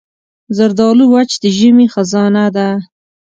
زردالو وچ د ژمي خزانه ده.